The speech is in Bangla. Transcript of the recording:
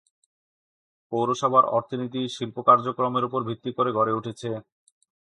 পৌরসভার অর্থনীতি শিল্প কার্যক্রমের উপর ভিত্তি করে গড়ে উঠেছে।